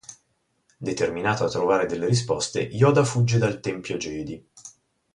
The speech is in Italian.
Determinato a trovare delle risposte, Yoda fugge dal Tempio Jedi.